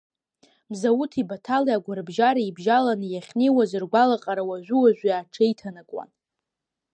Мзауҭи Баҭали агәарабжьара ибжьаланы иахьнеиуаз ргәалаҟара уажәы-уажәы аҽеиҭанакуан.